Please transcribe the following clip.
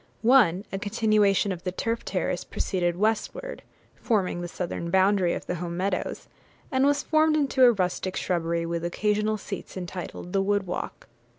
One, a continuation of the turf terrace, proceeded westward, forming the southern boundary of the home meadows; and was formed into a rustic shrubbery, with occasional seats, entitled 'The Wood Walk.'